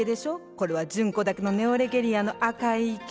これは純子だけのネオレゲリアの赤い池。